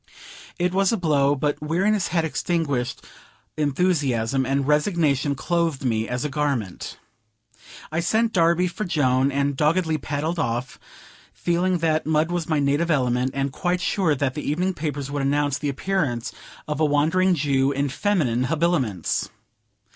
It was a blow; but weariness had extinguished enthusiasm, and resignation clothed me as a garment. I sent Darby for Joan, and doggedly paddled off, feeling that mud was my native element, and quite sure that the evening papers would announce the appearance of the Wandering Jew, in feminine habiliments.